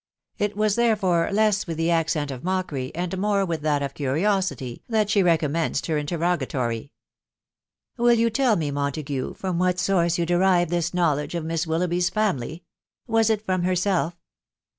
It was, therefore, less with the accent of mockery, and more with that of curiosity, that she recom menced her interrogatory. " Will you tell me, Montague, from what source you de rived this knowledge of Miss Willoughby's family ?...• Was it from herself